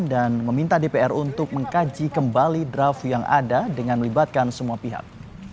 dan meminta dpr untuk mengkaji kembali draft yang ada dengan melibatkan semua pihak